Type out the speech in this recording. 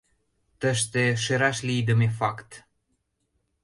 Тыште шӧраш лийдыме факт.